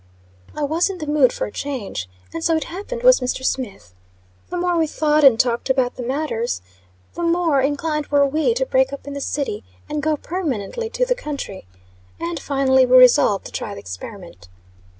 I was in the mood for a change, and so it happened was Mr. Smith. The more we thought and talked about the matters, the more inclined were we to break up in the city, and go permanently to the country. And, finally, we resolved to try the experiment.